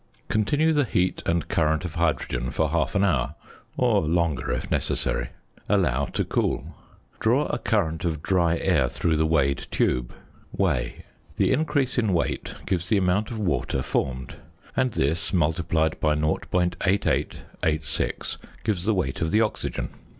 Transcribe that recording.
Continue the heat and current of hydrogen for half an hour (or longer, if necessary). Allow to cool. Draw a current of dry air through the weighed tube. Weigh. The increase in weight gives the amount of water formed, and this, multiplied by 0.8886, gives the weight of the oxygen.